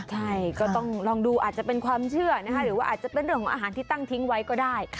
ใช่ก็ต้องลองดูอาจจะเป็นความเชื่อนะคะหรือว่าอาจจะเป็นเรื่องของอาหารที่ตั้งทิ้งไว้ก็ได้